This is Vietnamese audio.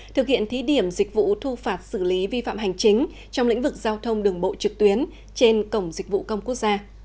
thực hiện thí điểm dịch vụ thu phạt xử lý vi phạm hành chính trong lĩnh vực giao thông đường bộ trực tuyến trên cổng dịch vụ công quốc gia